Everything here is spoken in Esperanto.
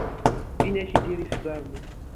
Fine ŝi diris varme: